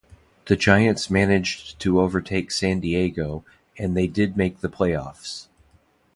The Giants managed to overtake San Diego, and they did make the playoffs.